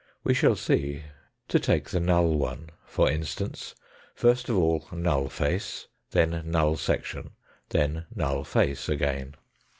We shall see, to take the null one for instance, first of all null face, then null section, then null face again.